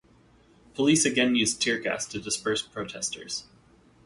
Police again used tear gas to disperse protesters.